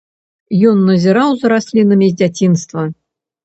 Ён назіраў за раслінамі з дзяцінства.